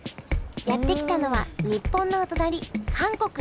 やって来たのは日本のお隣韓国。